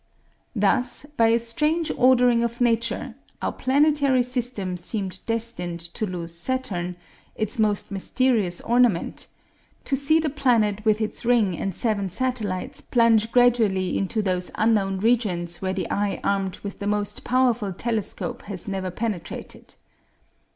Thus, by a strange ordering of nature, our planetary system seemed destined to lose Saturn, its most mysterious ornament; to see the planet with its ring and seven satellites plunge gradually into those unknown regions where the eye armed with the most powerful telescope has never penetrated.